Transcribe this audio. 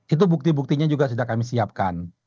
itu bukti buktinya juga sudah kami siapkan